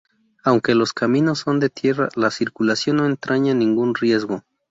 Aunque los caminos son de tierra, la circulación no entraña ningún riesgo.